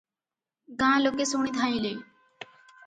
ଗାଁ ଲୋକେ ଶୁଣି ଧାଇଁଲେ ।